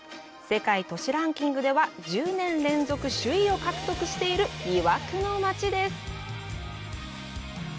世界都市ランキングでは１０年連続首位を獲得している魅惑の街です。